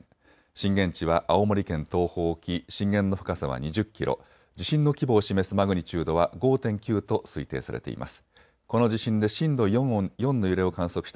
震源地は青森県東方沖震源の深さは２０キロ地震の規模を示すマグニチュードは５．９と推定されています。